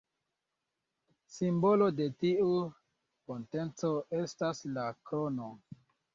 Simbolo de tiu potenco estas la krono.